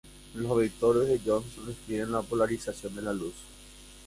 Los vectores de Jones describen la polarización de la luz.